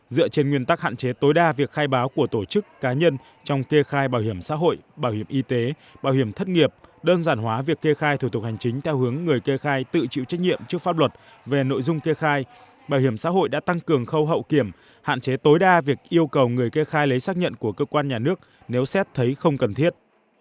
dựa trên nguyên tắc hạn chế tối đa việc khai báo của tổ chức cá nhân trong kê khai bảo hiểm xã hội bảo hiểm y tế bảo hiểm thất nghiệp đơn giản hóa việc kê khai thủ tục hành chính theo hướng người kê khai tự chịu trách nhiệm trước pháp luật về nội dung kê khai bảo hiểm xã hội đã tăng cường khâu hậu kiểm hạn chế tối đa việc yêu cầu người kê khai lấy xác nhận của cơ quan nhà nước nếu xét thấy không cần thiết